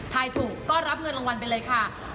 ถ่ายถูกก็รับเงินรางวัลไปเลยค่ะ